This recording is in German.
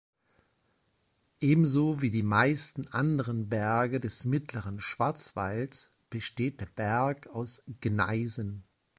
Ebenso wie die meisten anderen Berge des Mittleren Schwarzwalds besteht der Berg aus Gneisen.